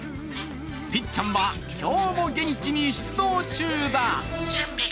ぴっちゃんは今日も元気に出動中だ！